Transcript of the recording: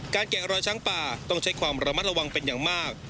แกะรอยช้างป่าต้องใช้ความระมัดระวังเป็นอย่างมาก